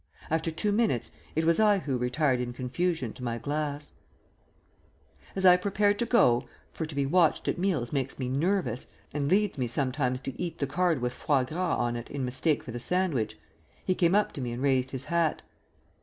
After two minutes it was I who retired in confusion to my glass. As I prepared to go for to be watched at meals makes me nervous, and leads me sometimes to eat the card with "Foie Gras" on it in mistake for the sandwich he came up to me and raised his hat.